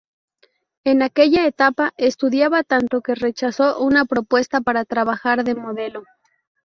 En aquella etapa, estudiaba tanto que rechazó una propuesta para trabajar de modelo.